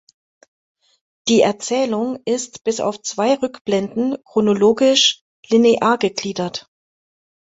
Die Erzählung ist bis auf zwei Rückblenden chronologisch linear gegliedert.